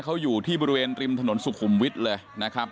เขาอยู่ที่บริเวณริมถนนสุขุมวิทย์เลยนะครับ